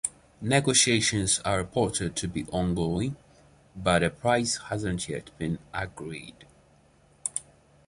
Negotiations are reported to be "ongoing, but a price has not yet been agreed,"